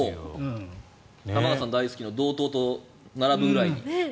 玉川さんが大好きな道東と並ぶぐらいに？